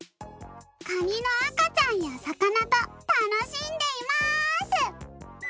カニのあかちゃんやさかなとたのしんでいます！